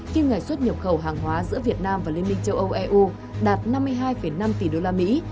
khi ngày xuất nhập khẩu hàng hóa giữa việt nam và liên minh châu âu đạt năm mươi hai năm tỷ đô la mỹ